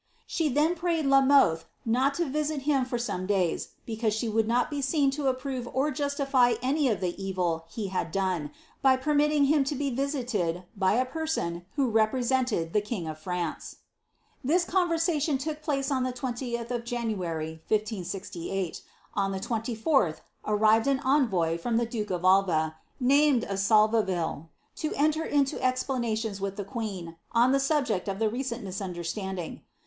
She then prayed La Mothe not to visit him for some days, because she would not be seen to approve or jnstify any of the evil he had done, by permitting him to be visited by a person who represented the king of France. This conversation took place on the 20th of January, 1 568 ; on the 94th arrived an envoy from the duke of Alva, named Assolveville, to enter into explanations with the queen, on the subject of the recent misunderstanding.